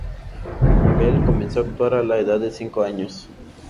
Bell comenzó a actuar a la edad de cinco años.